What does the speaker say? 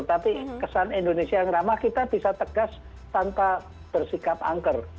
tapi kesan indonesia yang ramah kita bisa tegas tanpa bersikap angker